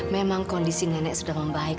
memang kondisi nenek sudah membaik